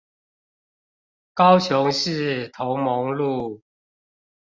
高雄市同盟路